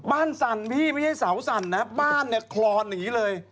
สั่นพี่ไม่ใช่เสาสั่นนะบ้านเนี่ยคลอนอย่างนี้เลย